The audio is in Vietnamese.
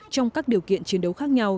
trong các điều kiện chiến đấu khác nhau